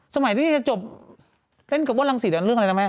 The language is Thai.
สมัยที่นี่จะจบเล่นกับว่ารังสิตเรื่องอะไรนะแม่